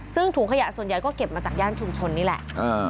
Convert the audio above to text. ซึ่งถุงขยะส่วนใหญ่ก็เก็บมาจากย่านชุมชนนี่แหละ